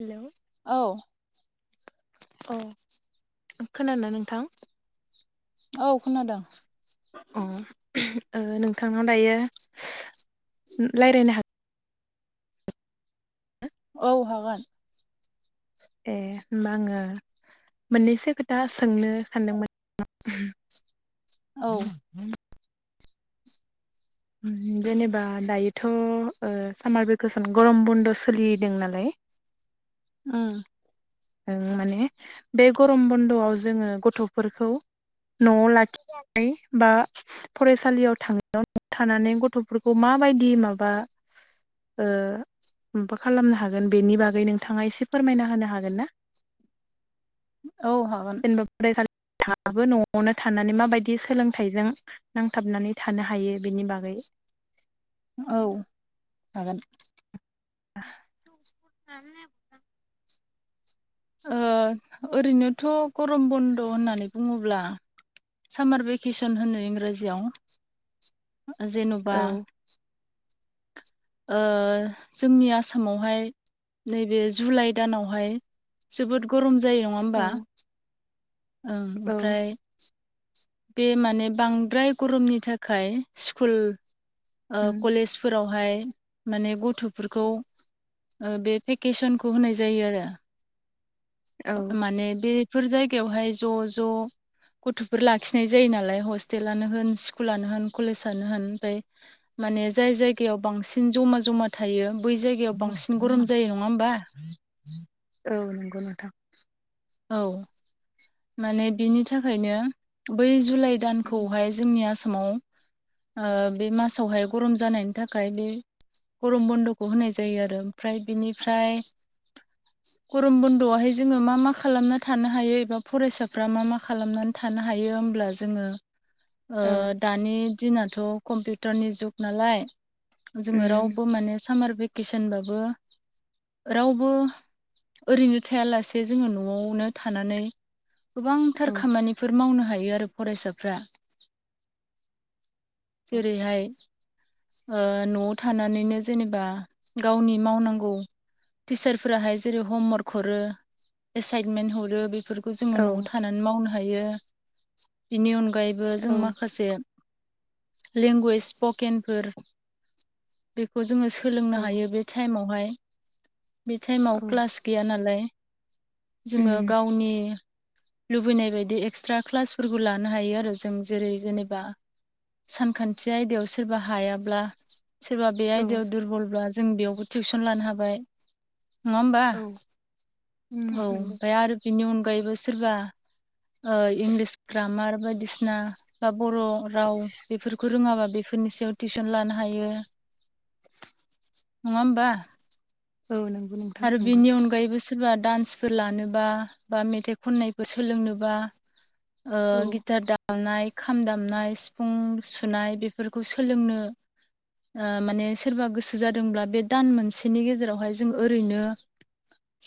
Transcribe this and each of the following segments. हेल' औ अ खोनानो नोंथां। औ खोनादों। अ ओं नोंथांनाव दायो रायज्लायनो हागोन औ हागोन ए होमबा आङो मोननैसो खोथा सोंनो सानदोंमोन। औ [unintelligible] जेनेबा दायोथ' सामार भेकेसन गरम बन्द' सोलिदों नालाय ओम माने बे गरम बन्द'आव जोङो गथ'फोरखौ न'आव लाखि [unintelligible] बि बा फरायसालियाव थां थानानै गथ'फोरखौ माबायदि माबा ओ मा खालामनो हागोन बेनि बागै नोंथाङा एसे फोरमायना होनो हागोन ना औ हागोन जेनेबा फरायसालिफ्राबो न'आवनो थानानै माबायदि सोलोंथाइजों नांथाबनानै थानो हायो बेनि बागै औ हागोन। [inaudible] [inaudible] ओ ओरैनोथ' गरम बन्द' होननानै बुङोब्ला सामार भेकेसन होनो इंराजियाव जेन'बा औ जोंनि आसामावहाय नैबे जुलाइ दानावहाय जोबोद गरम जायो। नङा औ होमबा ओं औ ओमफ्राय बे माने बांद्राय गरमनि थाखाय स्कुल ओ उम कलेज फोरावहाय माने गथ'फोरखौ ओ बे भेकेसनखौ होनाय जायो आरो औ माने बेफोर जायगायावहाय ज' ज' गथ'फोर लाखिनाय जायो नालाय हस्टेलानो होन स्कुलानो होन कलेसानो होन ओनफाय माने जाय जायगायाव बांसिन ज'मा ज'मा थायो बै जायगायाव बांसिन गरम जायो नङा होमबा? औ नंगौ नोंथां औ माने बिनि थाखायनो बै जुलाइ दानखौहाय जोंनि आसामाव ओ बे मासावहाय गरम जानायनि थाखाय बे गरम बन्द'खौ होनाय जायो आरो ओमफ्राय बिनिफ्राय गरम बन्द'आवहाय जोङो मा मा खालामना थानो हायो एबा फरायसाफ्रा मा मा खालामनानै थानो हायो होमब्ला जोङो ओ औ दानि दिनाथ' कम्पिउटारनि जुग नालाय जोङो उम रावबो माने सामार बेक सनबाबो रावबो ओरैनो थाया लासे जोङो न' आवनो थानानै औ गोबांथार खामानि फोर मावनो हायो आरो फरायसाफ्रा जेरैहाय ओ न'आव थानानैनो जेनेबा गावनि मावनांगौ टिसारफोराहाय जेरै हमवार्क हरो एसाइनमेन्ट हरो बेफोरखौ जोङो औ न'आव थानानै मावनो हायो बेनि अनगायै बो औ जों माखासे लेंगुवेज स्पकेनफोर बेखौ जोङो औ सोलोंनो हायो बे टाइमावहाय बे टाइमाव क्लास गैया नालाय जोङो उम गावनि लुबैनाय बायदि एक्सट्रा क्लासफोरखौ लानो हायो आरो जों जेरै जेनेबा सानखान्थि आयदायाव सोरबा हायाब्ला सोरबा बे औ आयदायाव दुरबलब्ला जों बेयावबो टिउसन लानो हाबाय नङा होमबा? औ उम औ नंगौ ओमफ्राय आरो बिनि अनगायैबो सोरबा ओ इंलिस ग्रामार बायदिसिना बा बर' राव बेफोरखौ रोङाबा बेफोरनि सायाव टिउसन लानो हायो [inaudible] नङा होमबा? औ नंगौ नं आरो बेनि अनगायैबो सोरबा दान्सफोर लानोबा बा मेथाइ खननायफोर सोलोंनोबा ओ औ गिटार दामनाय खाम दामनाय सिफुं सुनाय बेफोरखौ सोलोंनो माने सोरबा गोसो जादोंब्ला बे दान मोनसेनि गेजेरावहाय जों ओरैनो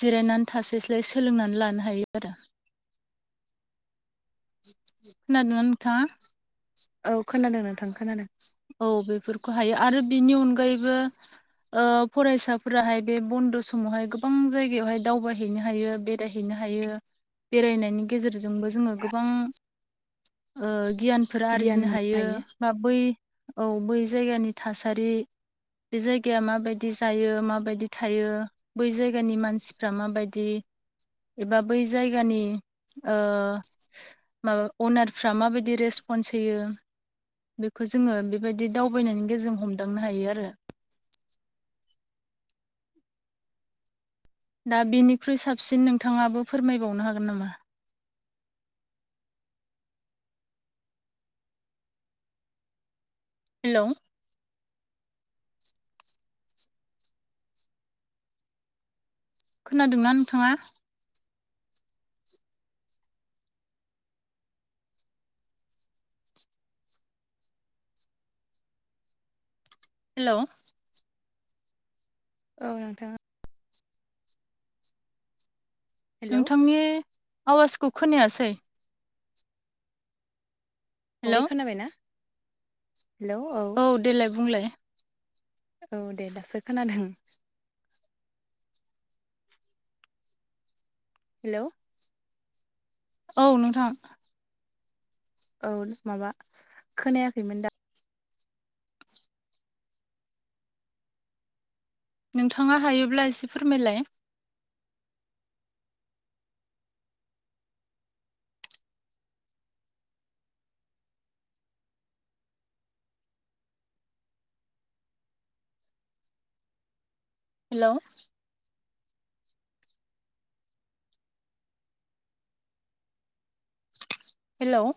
जिरायनानै थास्लायस्लाय सोलोंनानै लानो हायो आरो। खोनादोंना नोंथाङा? औ खोनादों नोंथां खोनादों। औ बेफोरखौ हायो आरो बिनि अनगायैबो ओ फरायसाफोराहाय बे बन्द' समावहाय गोबां जायगायावहाय दावबायहैनो हायो बेरायहै मोनो हायो बेरायनायनि गेजेरजोंबो जोङो गोबां ओ गियान बेफोर गियान आरजिनो मोननो हायो। बा बै औ बै जायगानि थासारि बे जायगाया माबायदि जायो माबायदि थायो बै जायगानि मानसिफ्रा माबायदि एबा बै जायगानि ओ माबा अनारफ्रा माबायदि रेसपन्स होयो बेखौ जों जोङो बेबायदि दावबायनायनि गेजेरजों हमदांनो हायो आरो दा बेनिख्रुइ साबसिन नोंथाङाबो फोरमायबावनो हागोन नामा? हेल' खोनादोंना नोंथाङा? हेल' औ नोंथां। हेलौ नोंथांनि आवाजखौ खोनायासै बे हेलौ खोनाबायना हेलौ औ देलाय बुंलाय। औ दे दासो खोनादों हेल', औ नोंथां? औ माबा खोनायाखैमोन दा नोंथाङा हायोब्ला एसे फोरमायलाय? हेल', हेल',